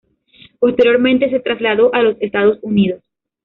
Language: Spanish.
Posteriormente se trasladó a los Estados Unidos.